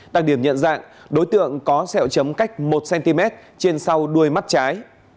đặc điểm nhận dạng đối tượng có xẹo chấm cách một cm trên sau đuôi mắt trái